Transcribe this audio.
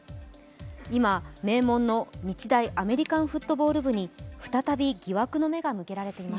今、名門の日大アメリカンフットボール部に再び疑惑の目が向けられています。